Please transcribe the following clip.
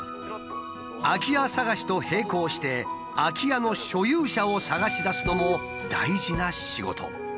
空き家探しと並行して空き家の所有者を探し出すのも大事な仕事。